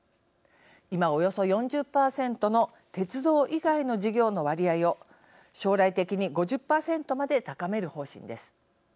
今およそ４０％の鉄道以外の事業の割合を将来的に５０％まで高める方針です。